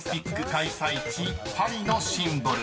開催地パリのシンボル］